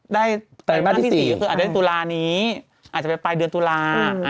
ได้ปริมาทที่๔คืออาจจะได้ตุลานี้อาจจะไปเดือนตุลา